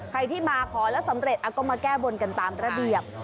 ใครที่มาขอแล้วสำเร็จก็มาแก้บนกันตามระเบียบ